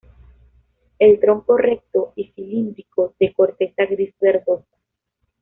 El tronco recto y cilíndrico, de corteza gris verdosa.